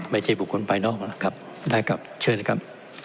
ไม่ใช่บุคคลภายนอกนะครับได้ครับเชิญนะครับ